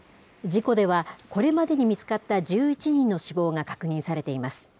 事故では、これまでに見つかった１１人の死亡が確認されています。